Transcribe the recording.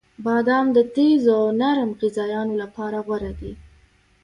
• بادام د تیزو او نرم غذایانو لپاره غوره دی.